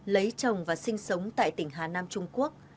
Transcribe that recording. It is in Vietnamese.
lấy chồng và sinh sống tại tỉnh hà nam trung quốc